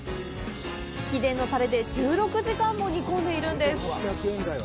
秘伝のタレで１６時間も煮込んでいるんです。